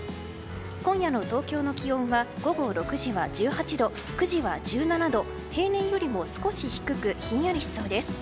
今夜の東京の気温は午後６時は１８度９時は１７度、平年より少し低くひんやりしそうです。